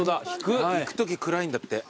行くとき暗いんだって。